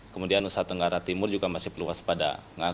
kemudian nusa tenggara timur juga masih perlu waspada